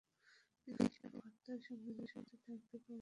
তিনি এসব হত্যার সঙ্গে জড়িত থাকতে পারে বলে সন্দেহ করা হচ্ছে।